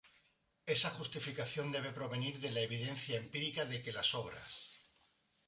Esa justificación debe provenir de la evidencia empírica de que las obras.